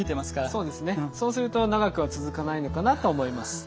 そうですねそうすると長くは続かないのかなと思います。